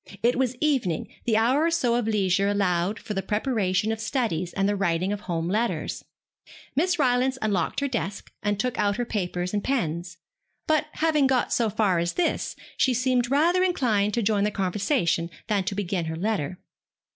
It was evening, the hour or so of leisure allowed for the preparation of studies and the writing of home letters. Miss Rylance unlocked her desk, and took out her paper and pens; but, having got so far as this, she seemed rather inclined to join in the conversation than to begin her letter.